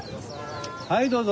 はいどうぞ。